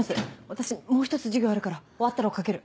私もう１つ授業あるから終わったら追っ掛ける。